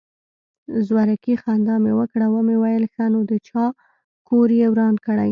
زورکي خندا مې وکړه ومې ويل ښه نو د چا کور يې وران کړى.